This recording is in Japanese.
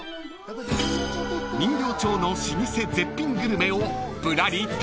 ［人形町の老舗絶品グルメをぶらり食べ歩き］